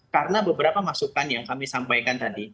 karena beberapa masukan yang kami sampaikan tadi